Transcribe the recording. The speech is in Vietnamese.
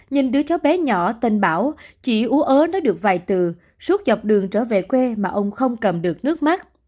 nhìn đứa cháu bé nhỏ tên bảo chỉ ú ớ nói được vài từ suốt dọc đường trở về quê mà ông không cầm được